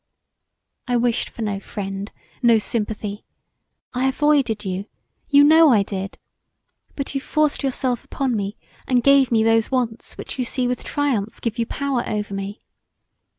I wished for no friend, no sympathy[.] I avoided you, you know I did, but you forced yourself upon me and gave me those wants which you see with triump[h] give you power over me.